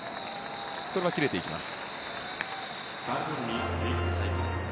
これは切れていきます。